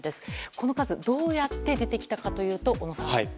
この数、どうやって出てきたかというと、小野さん。